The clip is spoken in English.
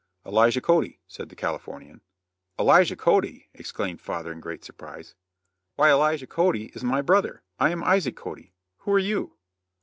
"Elijah Cody," said the Californian. "Elijah Cody!" exclaimed father, in great surprise; "why Elijah Cody is my brother. I am Isaac Cody. Who are you?"